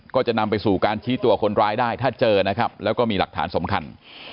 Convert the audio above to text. ก็จะนำไปสู่การชี้ตัวคนร้ายได้ถ้าเจอนะครับแล้วก็มีหลักฐานสำคัญ